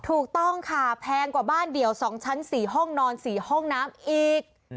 ถูกต้องค่ะแพงกว่าบ้านเดี่ยว๒ชั้น๔ห้องนอน๔ห้องน้ำอีก